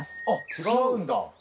違うんだ。